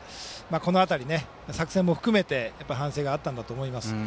この辺り、作戦も含めてやっぱり反省があったんだと思います。